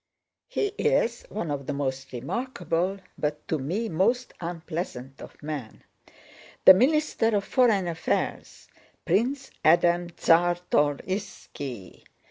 "He is one of the most remarkable, but to me most unpleasant of men—the Minister of Foreign Affairs, Prince Adam Czartorýski....